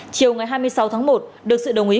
chiều ngày hai mươi sáu tháng một được sự đồng ý